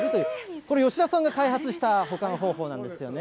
これ、吉田さんが開発した保管方法なんですよね。